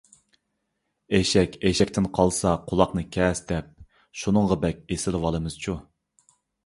«ئېشەك ئېشەكتىن قالسا قۇلاقنى كەس» دەپ، شۇنىڭغا بەك ئېسىلىۋالىمىزچۇ .